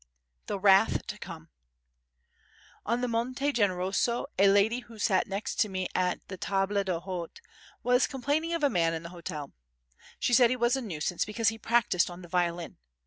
The Wrath to Come On the Monte Generoso a lady who sat next me at the table d'hôte was complaining of a man in the hotel. She said he was a nuisance because he practised on the violin.